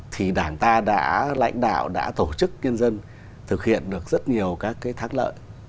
thì đảng ta đã lãnh đạo đã tổ chức nhân dân thực hiện được rất nhiều các cái thác lợi